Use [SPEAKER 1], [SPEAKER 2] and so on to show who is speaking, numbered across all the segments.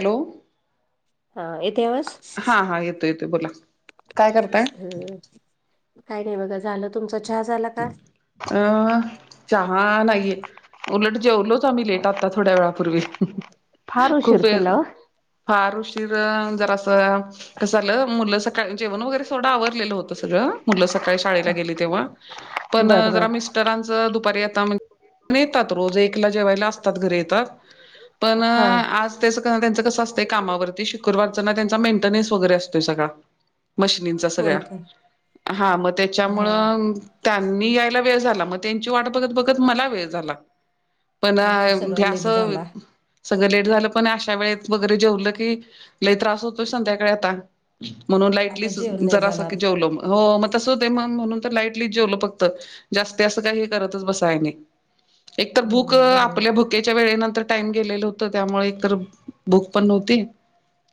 [SPEAKER 1] Hello
[SPEAKER 2] हा येतेवस
[SPEAKER 1] हा हा येतो येतो बोला काय करताय
[SPEAKER 2] हम काय नाही बघा झालं तुमचा चहा झाला का
[SPEAKER 1] अं चहा नाहीये उलट जेवलोच आम्ही लेट आता थोड्या वेळा ूर्वी
[SPEAKER 2] फार उशीर
[SPEAKER 1] खूप
[SPEAKER 2] केला ओ
[SPEAKER 1] फार उशीर जरा अस कं झालं मुलं सका जेवण वगैरे सोडं आवरलेलं होतं सगळं मुलं ग पण
[SPEAKER 2] बर बर
[SPEAKER 1] मिस्टरां दुपारीता येतात रोज एक जेवायला असतात घरी येतात पण
[SPEAKER 2] हा.
[SPEAKER 1] आज त्यांचं कसं असतय कामावरती शुक्रवारचां ना त्यांचा मेंटेन् वगरे असतोय सगळा मशिनींचा
[SPEAKER 2] होय का
[SPEAKER 1] सगळ्या हा मग
[SPEAKER 2] हा
[SPEAKER 1] त्याच्यामुळं यायला वेळ झाला मग त्यांची वाट बघत बघत मला वेळ झाला पण
[SPEAKER 2] त्यामुळे सगळं
[SPEAKER 1] ध्यास
[SPEAKER 2] लेट झाला
[SPEAKER 1] सगळं लेट झालं पण अशा वेळेत वगैरे जेवलं की लई त्रास होतो संध्याकाळी आता म्हणून
[SPEAKER 2] आता
[SPEAKER 1] लाईटलीच
[SPEAKER 2] जेवण नाही
[SPEAKER 1] जरा असं
[SPEAKER 2] जाणार.
[SPEAKER 1] की जेवलं हो मग तसं होतं मग म्हणून तर लाईटली जेवलंक्
[SPEAKER 2] हो बरोबर
[SPEAKER 1] [inaudible] ेच्या वेळे नंतर टाइम गेलेलं होत त्यामुळे एक तर बुक पण नव्हती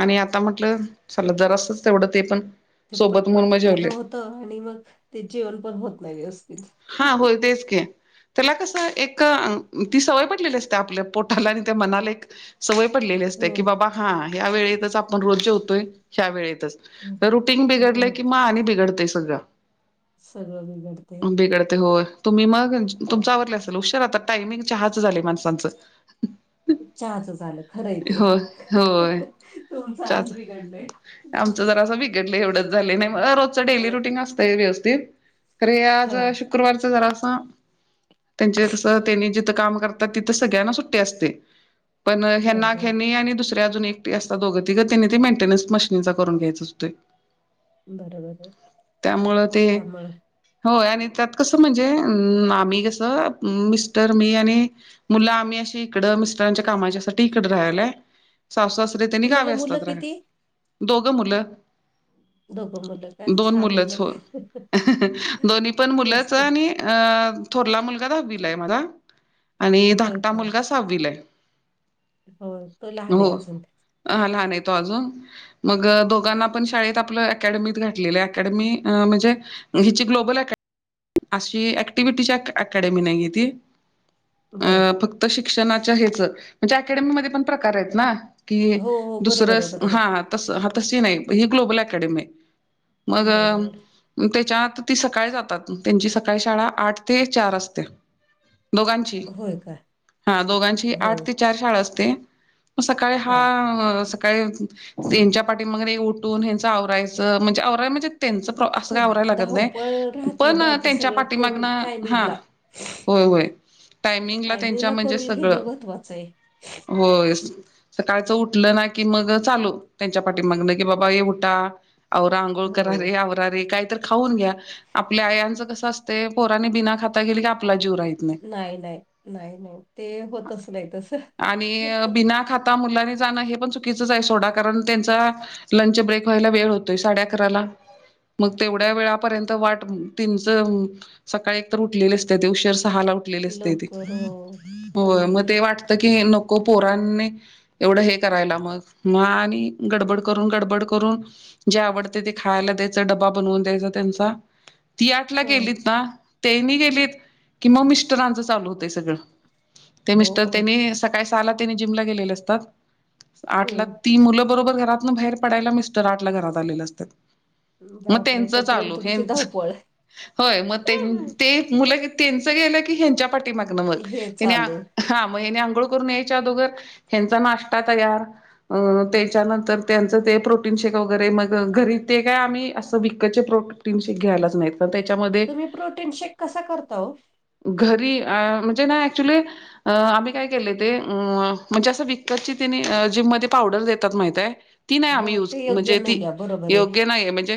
[SPEAKER 1] आणि आता म्हटलं चल जरास तेवढं ते पण
[SPEAKER 2] ते
[SPEAKER 1] सोबत
[SPEAKER 2] पटपट
[SPEAKER 1] मुरम
[SPEAKER 2] खाणं
[SPEAKER 1] जेवले
[SPEAKER 2] आणि मग ते जीवन पण होत नाही व्यवस्थित
[SPEAKER 1] हा होल तेच घ त्याला कसं एक ती सवय पडलेली असते आपल्या पोटाला आणि त्या मनाला एक सवय पडलेली असते
[SPEAKER 2] हो
[SPEAKER 1] की बाबा हा ह्या वेळेतच आपण रोज जेवतोय ह्या वेळेतच तर रुटीन बिघडलंय
[SPEAKER 2] हो
[SPEAKER 1] कि म आणि बिघडतेय सगळं
[SPEAKER 2] सगळं बिघडत
[SPEAKER 1] बिगडते हो तुम्ही मग तुमचा आवरला असेल हुशार आता टायमिंग चहाच झाले माणसांचं
[SPEAKER 2] खूप चचाच झालं खरंय तय
[SPEAKER 1] हो होय
[SPEAKER 2] तुमचा आस बिघडलय
[SPEAKER 1] डले एवढंच झाले नाही म रोजचं डेली रुटीन असतं व्यवस्थित अरे आज
[SPEAKER 2] हा
[SPEAKER 1] शुक्रवारच जरा असं त्यांचे कस त्यांनी ज कामतात तिथ सगळ्यांना सुट्ट असते पण
[SPEAKER 2] बर बर
[SPEAKER 1] हना्या आणि दुसऱ्या अजून एक अस दों तीगतीने ते मेटेन्स मशीननीचा करून घ्यायं होतते
[SPEAKER 2] बरोबर आहे
[SPEAKER 1] त्यामुळं ते
[SPEAKER 2] त्यामुळं
[SPEAKER 1] होय आणि त्यात कसं म्हणजे आम्ही कसं मिस्टर मी आणि मुलं आम्ही अशी इकड मिस्टरांच्या कामाच्या सा इकडे राहिलाय स त्यांनी गावे
[SPEAKER 2] तुम्हाला
[SPEAKER 1] असतात
[SPEAKER 2] मुलं
[SPEAKER 1] राहा
[SPEAKER 2] किती?
[SPEAKER 1] दोघ मुलं
[SPEAKER 2] दोघं मुलं का
[SPEAKER 1] दोन
[SPEAKER 2] छान आहे
[SPEAKER 1] मुलंच
[SPEAKER 2] मग
[SPEAKER 1] हो दोन्ही पण मुलंच
[SPEAKER 2] मस्त आहे.
[SPEAKER 1] आणि अ थोरला मुलगा दा बलाय माझा आणि
[SPEAKER 2] होय
[SPEAKER 1] धाकटा
[SPEAKER 2] का
[SPEAKER 1] मुलगा सावविलाय
[SPEAKER 2] हो तो लहान आहे अजून
[SPEAKER 1] अ लहान आहे तो अजून मग दोघांना आपण शाळेत आपलं अकडमी घातलेली अकडमी म्हणजे ह् अ ऍक्टि्ही अमी नाही
[SPEAKER 2] बर
[SPEAKER 1] फत शिक्षणाच्या हच म्हणजे अकेडमीमध्ये पण प्रकार आहेत ना कि
[SPEAKER 2] हो हो बरोबर आहे
[SPEAKER 1] दुसरं
[SPEAKER 2] बरोबर
[SPEAKER 1] हा नाही ह ग्लोबल अ
[SPEAKER 2] बरोबर आहे.
[SPEAKER 1] मग त्याच्या ती सकाळी जातात त्यांची सकाळी शाळा आठ ते चार असते दोघांची
[SPEAKER 2] होय का
[SPEAKER 1] हा दोघांची आठ
[SPEAKER 2] होय
[SPEAKER 1] ते चार शाळा असते. मग सकाळी हा काय त्यांच्या पाठी मागन उठून ह्यंचं आवरायचं म्हणजे आवरा म्हणजे त्यांच प्र असं
[SPEAKER 2] खूप
[SPEAKER 1] गावराला लागत
[SPEAKER 2] धावपळ
[SPEAKER 1] नाही
[SPEAKER 2] राहती
[SPEAKER 1] पण
[SPEAKER 2] ना ते
[SPEAKER 1] त्यांच्या
[SPEAKER 2] सगळं
[SPEAKER 1] पाठीमागन
[SPEAKER 2] करून
[SPEAKER 1] हा,
[SPEAKER 2] टायमिंगला
[SPEAKER 1] होय होय टायमिंगला त्यांच्या म्हणजे
[SPEAKER 2] करून घेणं
[SPEAKER 1] सगळं
[SPEAKER 2] महत्वाचं आहे
[SPEAKER 1] होय- सकाळचं उठलं ना की मग चालू त्यांच्या पाठीमागन की बाबा ये उठा औरांग गळ
[SPEAKER 2] हो
[SPEAKER 1] करा रे आवरा रे काही तर खाऊन घ्या, आपल्या आयांचं कस असतय पोराने बिना खाता गेली की आपला जीव राहि
[SPEAKER 2] नाही नाही नाही नाही ते होतच नाही तस,
[SPEAKER 1] आता मुलांनी जाणं हे पण चुकीचच आहे सोडा कारण त्यांचा लंच ब्रेक व्हायला वेळ होतोय साडे अकराला मग तेवढ्या वेळ पर्यंत वाट तीनच सकाळी एक तर उठलेली असते त उशेर सहा ला उठलेलं असतय ते
[SPEAKER 2] लवकर हो
[SPEAKER 1] होय
[SPEAKER 2] बरोबर
[SPEAKER 1] मग
[SPEAKER 2] आहे
[SPEAKER 1] ते वाटत की नको पोरांनी एवढं हे करायला मग म आणि गडबड करून गडबड करून जे आवडते ते खायला द्यायचं डबा बनवून द्यायचा त्यांचा ती आटला
[SPEAKER 2] हो
[SPEAKER 1] गेलीत ना त्यांनी गेलीत की मग मिस्टरांच चालू होतय सगळं ते
[SPEAKER 2] हो
[SPEAKER 1] मिस्टर त्यानी का सालाने जिमला गेले असतात आठ
[SPEAKER 2] हम्म
[SPEAKER 1] ती मुलं बरोबर घरात बाहेर पडाला मिस्टर आठला घरात आले असतात. मग
[SPEAKER 2] बापर आहे
[SPEAKER 1] त्यांच
[SPEAKER 2] तोपर्यंत
[SPEAKER 1] चालू
[SPEAKER 2] तुमची
[SPEAKER 1] हेच
[SPEAKER 2] धावपळ आहे.
[SPEAKER 1] होय मग ते मुल त्यांच गेलं की ह्यंच्या पाठी मागणं म,
[SPEAKER 2] हे चालू
[SPEAKER 1] हा मग हेने आंघोळ करून यायच्या अदोगर ह्यांचा नाश्ता तयार, अ त्याच्यानंतर त्यांचं ते प्रोटीन शेक वगैरे मग घरी ते काय आम्ही असं विक चे प्रोटी्स घ्यायलाच नाहीत. त्याच्यामध्ये
[SPEAKER 2] तुम्ही प्रोटीन शेक कसा करता ओ?
[SPEAKER 1] घरी म्हणजे ना ऍक्च्युली अ आम्ही काय केले ते म्हणजे असं विकतची तिने जिममध्ये पावडर देतात माहित आहे, ती नाही
[SPEAKER 2] हो
[SPEAKER 1] आम्ही युज
[SPEAKER 2] ते योग्य
[SPEAKER 1] म्हणजे ती
[SPEAKER 2] नाही आहे बरोबर आहे
[SPEAKER 1] योग्य नाहीय म्हणजे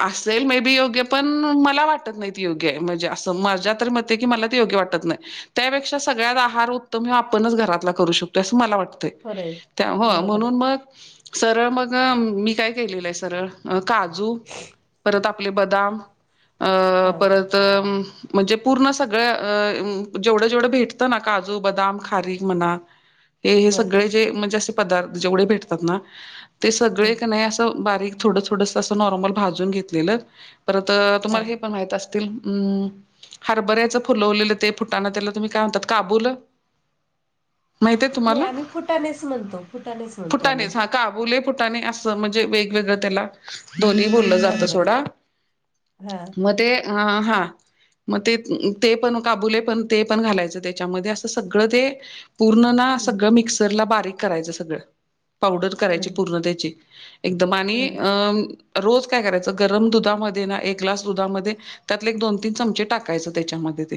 [SPEAKER 1] असेल मे बी योग्य पण मला वाटत नाहीत योग्य म्हणजे असं माझ्या तर म की मला ते योग्य वाटत नाही त्यापेक्षा सगळ्यात आहार उत्तम आपणच घरातला करू शकतो असं मला वाटत.
[SPEAKER 2] खरं आहे
[SPEAKER 1] त्याव
[SPEAKER 2] बरोबर आहे
[SPEAKER 1] म्हणून मग सरळ मग मी काय केलेलं आहे सरळ काजू,
[SPEAKER 2] ह [unintelligible]
[SPEAKER 1] परत आपले बदाम अ
[SPEAKER 2] हा
[SPEAKER 1] परत, म्हणजे पूर्ण सगळ्या जेवढं जेवढं भेटतं ना काजू बदाम खारीक म्हणा हे हे
[SPEAKER 2] बर
[SPEAKER 1] सगळे जे म्हणजे असे पदार्थ जेवढे भेटतात ना ते सगळे
[SPEAKER 2] हम्म
[SPEAKER 1] क नाही असं बारीक थोड थोडस नॉर्मल भाजून घेतलेल परत
[SPEAKER 2] हा
[SPEAKER 1] तुमाला हे पण माहित अस म् हरभऱ्याच फुलवलेलं ते फुटाना त्याला तुम्ही काय म्हणतात काबूल, माहित आहे
[SPEAKER 2] नाही
[SPEAKER 1] तुम्हाला
[SPEAKER 2] आम्ही फुटानेच म्हणतो फुटाणेच म्हणतो आम्ही
[SPEAKER 1] फुटाणेच हा काबुले फुटाणे अस म्हणजे वेगवेगळ त्याला दोन्ही टलं जात
[SPEAKER 2] बरोबर आहे
[SPEAKER 1] सोडा
[SPEAKER 2] हा
[SPEAKER 1] मग ते अ हा मग ते ते पण काबुले पण ते पण घालायचं त्याच्यामध्ये असं सगळं ते पूर्ण ना
[SPEAKER 2] हम्म
[SPEAKER 1] सगळं मिक्सरला बारीक करायचं सगळं पावडर करायची
[SPEAKER 2] हम्म
[SPEAKER 1] पूर्ण त्याची एकदम आणि
[SPEAKER 2] हम्म
[SPEAKER 1] अ रोज काय करायचं गरम दुधामध्ये ना एक ग्लास दुधामध्ये त्यातले एक दोन तीन चमचे टाकायच त्याच्यामध्ये ते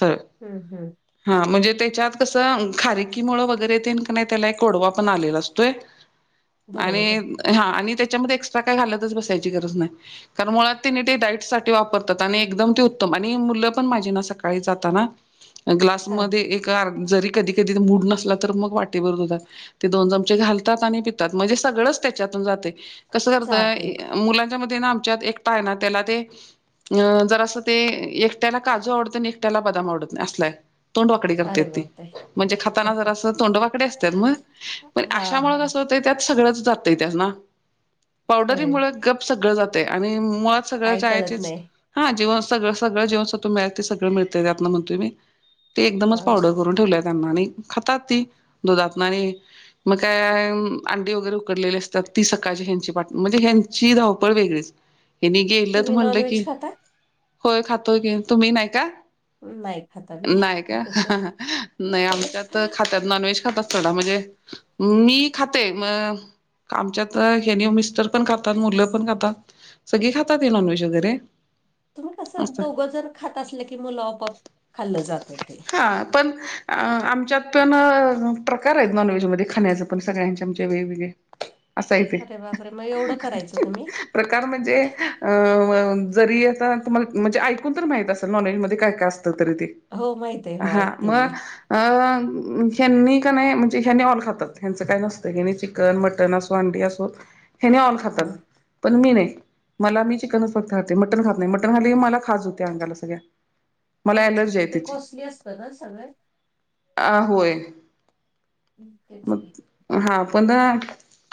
[SPEAKER 1] सर
[SPEAKER 2] हम्म हम्म!
[SPEAKER 1] हा म्हणजे त्याच्यात कसं खारी कीमुळं वगैरे तेन का नाही त्याला एक गोडवा पण आलेला असतोय, आणि
[SPEAKER 2] बरोबर आहे
[SPEAKER 1] हा आणि त्याच्यामध्ये एक्स्ट्रा काय घालतच बसायची गरज नाही. कारण मुळात तेनी ते डाईट साठी वापरतात आणि एकदम ते उत्तम आणि मुलं पण माझी न सकाळी जाताना
[SPEAKER 2] [inaudible]
[SPEAKER 1] ग्लासमध्ये एक जरी कधी कधी मूड नसला तर मग वाटी भर दुधात ते दोन चमचे घालतात आणि पितात म्हणजे सगळंच त्याच्यातून जाते. कसं
[SPEAKER 2] सात एक
[SPEAKER 1] करतय मुलांच्या मध्ये ना आमच्यात एक [unintelligible] ना त्याला ते अ जर असं ते एकट्याला काजू आवडत आणि एकट्याला बदाम आवडत नाही असलाय. तोंडवाकडी
[SPEAKER 2] अरे
[SPEAKER 1] करत्यात ती
[SPEAKER 2] बापरे
[SPEAKER 1] म्हणजे खाताना जरा असं तोंड वाकडी असत्यात म, पण
[SPEAKER 2] हा हा
[SPEAKER 1] अशामुळे कसं होतय त्यात सगळंच जातय त्याना
[SPEAKER 2] खरंय
[SPEAKER 1] पावडरीमुळे गप सगळं जातय आणि मुळात सगळं
[SPEAKER 2] काय कळत
[SPEAKER 1] जायाचीच.
[SPEAKER 2] नाही
[SPEAKER 1] हां जेव्हा सगळ सगळं जीवनसत्व मिळेल ते सगळ मिळतंय त्यातन म्हणतो मी. ते एकदमच
[SPEAKER 2] हा
[SPEAKER 1] पावडर करून ठेवलेय त्यांना नी आणि खातात ती दुधातन नी मग काय अंडी वगैरे उकडलेली असतात ती सकाळची ह्यांची म्हणजे ह्यांची धावपळ वेगळीच ह्यांनी गेलत
[SPEAKER 2] तुम्ही
[SPEAKER 1] म्हटलं की
[SPEAKER 2] नॉनव्हेज खाता
[SPEAKER 1] होय खातोय की तुम्ही नाही का?
[SPEAKER 2] नाही खाता मी
[SPEAKER 1] नाही का? [inaudible] नाही आमच्या त खातात नॉन व्हेज खातात [unintelligible] म्हणजे मी खाते म आमच्यात हे मिस्टर पण खातात मुलं पण खातात सगळे खातात हे नॉनव्हेज वगैरे
[SPEAKER 2] तुम्ही कसं
[SPEAKER 1] असं
[SPEAKER 2] दोघं जर खात असल्या की मुलं आपोआप खाल्लं जातं ते.
[SPEAKER 1] हा पण आमच्यात पण प्रकार आहेत नॉनव्हेजमध्येध्ये खाण्याच पण सगळ्यांचे आमचे वेगवेगळे असं आहे ते
[SPEAKER 2] अरे बापरे मग एवढं करायचं तुम्ही
[SPEAKER 1] प्रकार म्हणजे अ जरी आता तुम्हाला म्हणजे ऐकून तर माहित असेल नॉलेज मध्ये काय काय अस
[SPEAKER 2] हो माहित आहे.
[SPEAKER 1] [unintelligible]
[SPEAKER 2] हो
[SPEAKER 1] हा
[SPEAKER 2] ऐकते मी.
[SPEAKER 1] मग अं ह्यांनी का नाही म्हणजे ह्याणे ऑल खातात ह्यांचं काय नसतं की नी चिकन मटन असो अंडी असो हे नाही ऑल खातात
[SPEAKER 2] हं.
[SPEAKER 1] पण मी नाही. मला मी चिकनच फक्त खाते मटन खात नाही मटन खाली क मला खाज होते अंगाला सगळ्या मला
[SPEAKER 2] हो का
[SPEAKER 1] ॲलर्जी
[SPEAKER 2] पण
[SPEAKER 1] आहे
[SPEAKER 2] ते
[SPEAKER 1] त्याची
[SPEAKER 2] कॉस्टली असतं ना सगळं
[SPEAKER 1] आ होय.
[SPEAKER 2] हम्म तेच की.
[SPEAKER 1] मग हा पण अ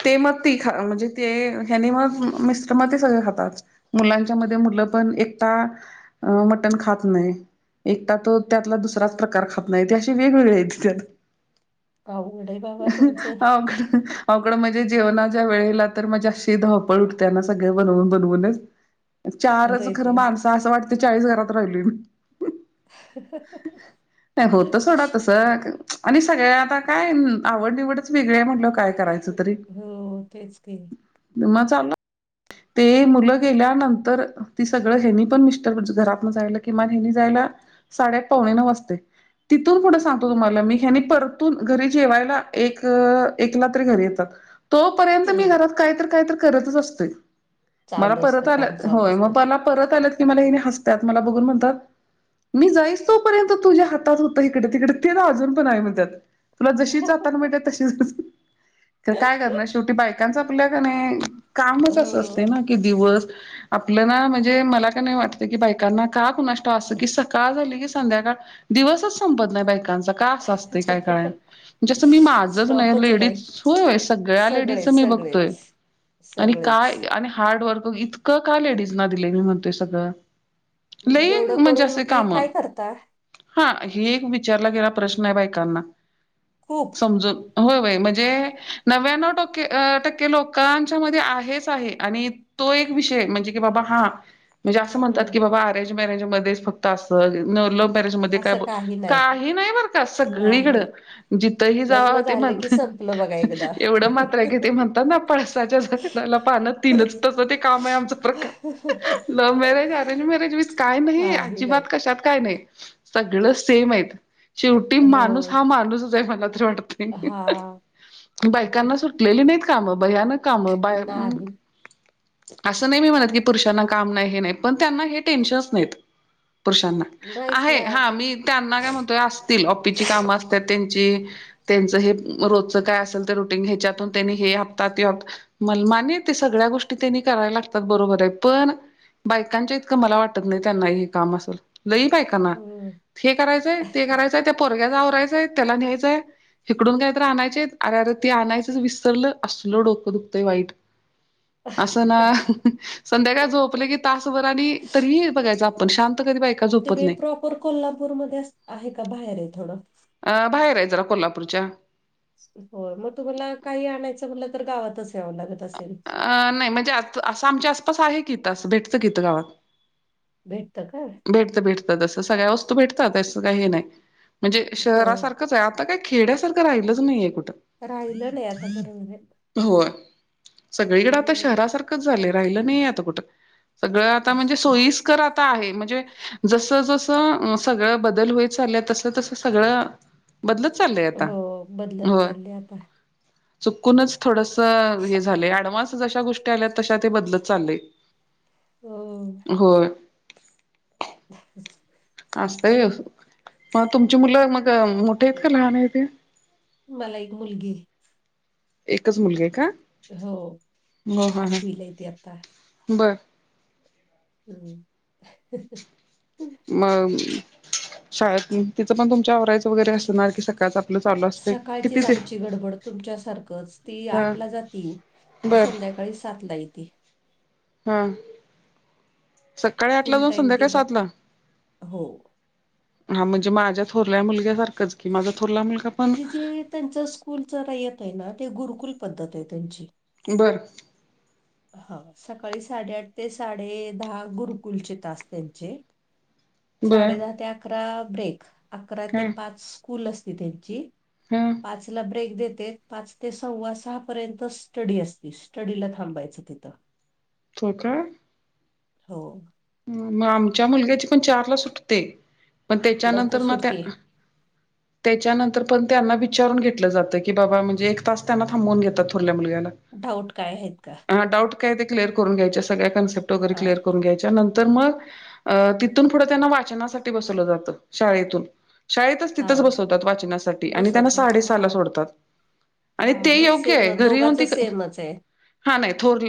[SPEAKER 1] ते मग ती खा म्हणजे ते ह्यांनी म मिस्टर ते सगळे खातात मुलांच्या मध्ये मुलं पण एकता अ मटण खात नाही. एकता तो त्यातला दुसराच प्रकार खात नाही ते अशी वेगवेगळे आहेत त्यात
[SPEAKER 2] अवघड आहे बाबा तुमचं.
[SPEAKER 1] हो का अवघडं म्हणजे जेवणाच्या वेळेला तर, माझी अशी धावपळ उठते ना सगळं बनवून बनवूनच
[SPEAKER 2] आहे
[SPEAKER 1] चारंच खरं,
[SPEAKER 2] ते.
[SPEAKER 1] माणस असं वाटते चाळीस घरात राहिलोय मी. नाही, होतं सोडा तसं. आणि सगळ्या आता काय, आवड निवडंच वेगळी आहे म्हणल्यावर काय करायचं तरी.
[SPEAKER 2] हो, तेच की.
[SPEAKER 1] म चालू ते मुलं गेल्यानंतर, ती सगळं ह्येनी पण मिस्टर घरातनं जायला किमान ह्येनी जायला साडेआठ-पावणेनऊ वाजतंय. तिथून पुढं सांगतो तुम्हाला मी, ह्यानी परतून घरी जेवायला एक, एकला तरी घरी येतात. तोपर्यंत, मी
[SPEAKER 2] हं.
[SPEAKER 1] घरात काय तर काय तर करतच असतोय. मला
[SPEAKER 2] चालू असतं,
[SPEAKER 1] परत आल्या,
[SPEAKER 2] काम चालू
[SPEAKER 1] होय,
[SPEAKER 2] असतं.
[SPEAKER 1] मग मला परत आल्यात की मला ह्यानी हसत्यात मला बघून म्हणतात मी जाईस तोपर्यंत तुझ्या हातात होतं हिकडं तिकडं, तेच अजून पण आहे म्हणत्यात, तुला जशीच्या तर म्हणत्यात तशीच आहे अजून, खरं काय करणार शेवटी बायकांचं आपल्या का नाही कामच असं असतं
[SPEAKER 2] हो.
[SPEAKER 1] दिवस आपल्या म्हणजे मला का नाही वाटत की बायकांना का कुणा अस की सकाळ झाली की संध्याकाळ दिवसच संपत नाही बायकांचा का असं असतं काय कळायना जसं माझंच नाही लेडीज होय सग सगळ्या लेडीज
[SPEAKER 2] सगळेच,
[SPEAKER 1] मी बघतोय
[SPEAKER 2] सगळेच.
[SPEAKER 1] आणि
[SPEAKER 2] सगळेच.
[SPEAKER 1] काय आणि हार्ड वर्क इतकं का लेडीज ना दिले मी म्हणते सगळं लई
[SPEAKER 2] एवढं
[SPEAKER 1] म्हणजे
[SPEAKER 2] करून
[SPEAKER 1] असे
[SPEAKER 2] की
[SPEAKER 1] काम
[SPEAKER 2] काय करता?
[SPEAKER 1] हा हे एक विचारला गेला प्रश्न आहे बायकांना
[SPEAKER 2] खूप.
[SPEAKER 1] समजून हो बाय म्हणजे नव्याण्णव टक्के टक्के लोकांच्या मध्ये आहेच आहे. आणि तो एक विषय म्हणजे की बाबा हा म्हणजे असं म्हणतात
[SPEAKER 2] हं.
[SPEAKER 1] की बाबा मॅरेज मॅरेज मध्येच फक्त असं ल मॅरेज मध्ये काय
[SPEAKER 2] असं
[SPEAKER 1] ब
[SPEAKER 2] काही नाही.
[SPEAKER 1] काही नाही बर का सगळीकड
[SPEAKER 2] नाही.
[SPEAKER 1] जिथही जाव
[SPEAKER 2] लग्न
[SPEAKER 1] होते म
[SPEAKER 2] झालं की संपलं बघा एकदा.
[SPEAKER 1] एवढं मात्र किती म्हणतात ना पळसाच्या झाडाला पानत तीनच तसं ते काम आहे आमचा प्रकार love marriage arrange marriage with काय नाही
[SPEAKER 2] काही नाही.
[SPEAKER 1] आजीबात अशात काय नाही सगळं सेम आहेत. शेवटी माणूस
[SPEAKER 2] हो.
[SPEAKER 1] हा माणूसच आहे मला तरी वाटत
[SPEAKER 2] हा.
[SPEAKER 1] नाही बायकांना सुट चूकलेली नाहीत कामं भयानक काम बाय-
[SPEAKER 2] नाही.
[SPEAKER 1] असं नाही मी म्हणत की पुरुषांना काम नाही हे नाही पण त्यांना हे टेन्शनच नाहीत. पुरुषांना आहे
[SPEAKER 2] नाहीचला
[SPEAKER 1] हा
[SPEAKER 2] ती
[SPEAKER 1] मी त्यांना काय म्हणतोय असतील ऑफिसची काम असत त्यांची त्यांचं हे रोजचं काय असेल तर रुटीन ह्याच्यातून त्यांनी हे हप्तात ये् मल मानीत ते सगळ्या गोष्टी त्यांनी करायला लागतात बरोबर आहे पण बायकांच्या इतकं मला वाटत नाही त्यांना हे काम असेल लई बायकांना
[SPEAKER 2] हम्म.
[SPEAKER 1] हे करायचंय ते करायचंय त्या परग्याला आवरायचंय त्याला न्यायचंय हिकडून काय तर आणायचे अरे अरे ती आणायचंच विसरलं असल डोकं दुखतंय वाईट असं ना संध्याकाळ झोपले की तासभर आणि तरी बघायचं आपण शांत कधी बायका झोपत
[SPEAKER 2] तुम्ही
[SPEAKER 1] नाही
[SPEAKER 2] प्रॉपर कोल्हापूरमध्येध्ये आहे का बाहेर आहे थोडं
[SPEAKER 1] अ बाहेर आहे जरा कोल्हापूरच्या
[SPEAKER 2] हो मग तुम्हाला काही आणायचं म्हटलं तर गावातच यावं लागत असेल
[SPEAKER 1] अ नाही म्हणजे आ असं आमच्या आसपास आहे की त असं भेटतं किथं गावात
[SPEAKER 2] भेटत का
[SPEAKER 1] भेटत भेटत जसं सगळ्या वस्तू भेटतात असं काही नाही म्हणजे
[SPEAKER 2] होय.
[SPEAKER 1] शहरासारखंच आहे आता काय खेड्यासारखं राहिलंच नाहीये कुठं
[SPEAKER 2] राहिलं नाही आता बरोबर आहे.
[SPEAKER 1] हो सगळीकडे आता
[SPEAKER 2] हम्म.
[SPEAKER 1] शहरासारखा रा नाही क सगळ आता म्हणजे सोी आता म्ह जस जस सगळं बदल होय चालल तस तस सगळं बदलत चाललंय आता
[SPEAKER 2] हो. बदलत
[SPEAKER 1] होय
[SPEAKER 2] चालले आता.
[SPEAKER 1] चुकूनच थोडस हे झालंय ऍडव्हान्स जशा गोष्टी आल्यात तशा ते बदलत चाललेय
[SPEAKER 2] हो
[SPEAKER 1] हो असतय मग तुमची मुलं मग मोठे आहेत का लहान आहेत ते
[SPEAKER 2] मला एक मुलगी आहे
[SPEAKER 1] एकच मुलगी आहे का
[SPEAKER 2] हो आठवीला येते आता
[SPEAKER 1] बरं
[SPEAKER 2] हम्म
[SPEAKER 1] मग शाळेत तिचं पण तुमच्या आवरायचं वगैरे असणार की सकाळच
[SPEAKER 2] सकाळचीच आमची गडबड तुमच्यासारखंच ती
[SPEAKER 1] हा
[SPEAKER 2] आठला जाती ती
[SPEAKER 1] बर
[SPEAKER 2] संध्याकाळी सात ला येते
[SPEAKER 1] हां सकाळी आठ ला
[SPEAKER 2] फुल
[SPEAKER 1] जाऊन
[SPEAKER 2] टाइम ती
[SPEAKER 1] संध्याकाळी
[SPEAKER 2] ब
[SPEAKER 1] सात ला.
[SPEAKER 2] हो
[SPEAKER 1] हा म्हणजे माझ्या थोरल्या मुलग्यासारखंच की माझा ोरला मुलगा पण
[SPEAKER 2] ती जे त्यांच स्कूलच रा यत आहे ना ते गुरुकुल पद्धत आहे त्यांची
[SPEAKER 1] बरं
[SPEAKER 2] हा सकाळी साडेआठ ते साडे दहा गुरुकुलचे तास त्यांचे
[SPEAKER 1] बर
[SPEAKER 2] साडे दहा ते अकरा ब्रेक अकरा ते
[SPEAKER 1] हा
[SPEAKER 2] पाच स्कूल असती त्यांची
[SPEAKER 1] हा
[SPEAKER 2] पाच ला ब्रेक देते पाच ते सव्वा सहा पर्यंत स्टडी असते स्टडीला थांबायच स्िथिता
[SPEAKER 1] का
[SPEAKER 2] हो
[SPEAKER 1] मग आमच्या मुलग्याची पण चारला सुटते पण
[SPEAKER 2] लवकर
[SPEAKER 1] त्याच्यानंतर ना त्या
[SPEAKER 2] सुटते
[SPEAKER 1] त्याच्यानंतर पण त्यांना विचारून घेतलं जातं की बाबा म्हणजे एक तास त्यांना थांबवून घेतात थोरल्या मुलग्याला
[SPEAKER 2] डाऊट काय आहेत का
[SPEAKER 1] डाऊ काय ते क्लअर कर घय सग्या कन्सेप्ट वगैर
[SPEAKER 2] हां,
[SPEAKER 1] क्लअर करून घ्यायच्यांतर तर मग अ तिथून पुढं त्यांना वाचनासाठी बसवलं जातं शाळेतून शाळेतच तिथंच
[SPEAKER 2] हां.
[SPEAKER 1] बसवतात वाचनासाठी आणि त्यांना
[SPEAKER 2] बसवतात.
[SPEAKER 1] साडे सहाला
[SPEAKER 2] हां,
[SPEAKER 1] सोडतात आणि
[SPEAKER 2] हां.
[SPEAKER 1] ते
[SPEAKER 2] मग
[SPEAKER 1] योग्य
[SPEAKER 2] सेम
[SPEAKER 1] आहे घरी येऊन
[SPEAKER 2] दोघांचं
[SPEAKER 1] त
[SPEAKER 2] सेमच आहे.
[SPEAKER 1] हा नाही थोरली